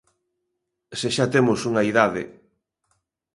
Se xa temos unha idade.